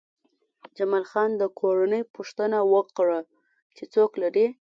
جمال خان د کورنۍ پوښتنه وکړه چې څوک لرې